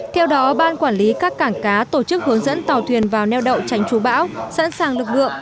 theo đó ban quản lý các cảng cá tổ chức hướng dẫn tàu thuyền vào neo đậu tránh chú bão sẵn sàng lực lượng